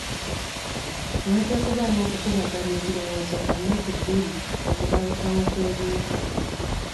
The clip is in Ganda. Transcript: Wajja kubaawo okukubaganya ebirowoozo kwa nnaku bbiri ku kubalukawo kw'ebiwuka .